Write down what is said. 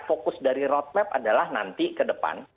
fokus dari roadmap adalah nanti ke depan